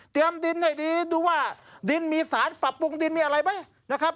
ดินให้ดีดูว่าดินมีสารปรับปรุงดินมีอะไรไหมนะครับ